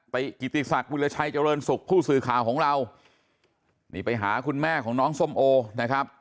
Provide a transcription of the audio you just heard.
ติกิติศักดิ์วิราชัยเจริญสุขผู้สื่อข่าวของเรานี่ไปหาคุณแม่ของน้องส้มโอนะครับ